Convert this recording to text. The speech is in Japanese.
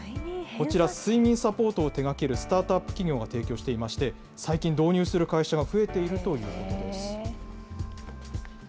こちら、睡眠サポートを手がけるスタートアップ企業が提供していまして、最近、導入する会社が増えているということです。